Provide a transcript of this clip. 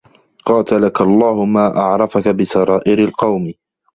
قَاتَلَك اللَّهُ مَا أَعْرَفَك بِسَرَائِرِ الْقَوْمِ